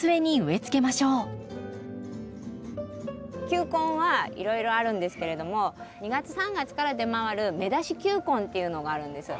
球根はいろいろあるんですけれども２月３月から出回る芽出し球根っていうのがあるんです。